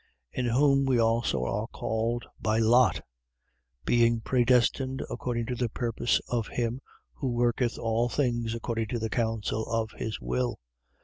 1:11. In whom we also are called by lot, being predestinated according to the purpose of him who worketh all things according to the counsel of his will.